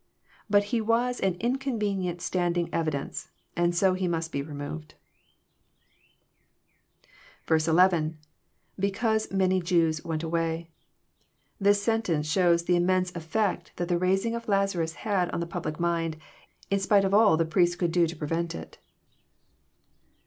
But he was an in convenient standing evidence, and so he must be removed 1 11. — {Becau8e,.,many..,Jews went away,] This sentence shows the Immense efl'ect that the raising of Lazarus had on the public mind, in spite of all the priests could do to prevent it.